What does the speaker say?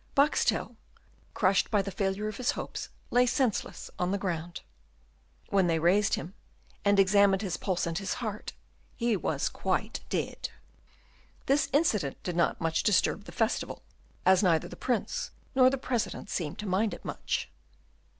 Boxtel, crushed by the failure of his hopes, lay senseless on the ground. When they raised him, and examined his pulse and his heart, he was quite dead. This incident did not much disturb the festival, as neither the Prince nor the President seemed to mind it much.